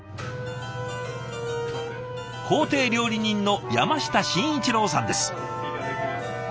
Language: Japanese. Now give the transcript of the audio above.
公邸料理人の山下真一郎さんです。